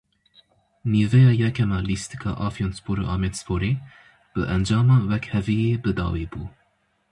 Nîveya yekem a lîstika Afyonspor û Amedsporê bi encama wekheviyê bidawî bû.